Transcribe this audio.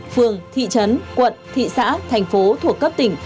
phường thị trấn quận thị xã thành phố thuộc cấp tỉnh